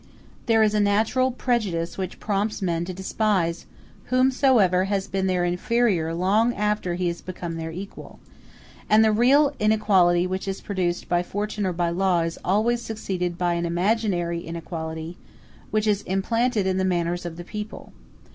There is a natural prejudice which prompts men to despise whomsoever has been their inferior long after he is become their equal; and the real inequality which is produced by fortune or by law is always succeeded by an imaginary inequality which is implanted in the manners of the people.